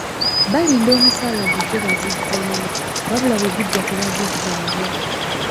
Balinda omusaala gujje bazizzeewo, wabula bwe gujja tebazizzaaawo.